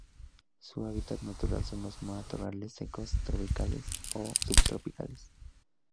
Su hábitat natural son los matorrales secos tropicales o subtropicales.